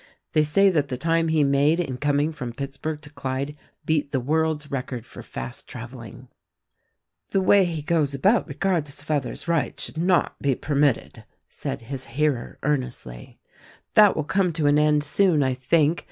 Thev say that the time he made in coming from Pittsburg to Clyde beat the world's record for fast traveling." 120 THE RECORDING ANGEL "The way he goes about regardless of others' rights should not be permitted," said his hearer earnestly. "That will come to an end, soon, I think.